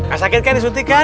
asakit kan disuntikan